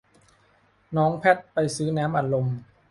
น้องแพทไปซื้อน้ำอัดลม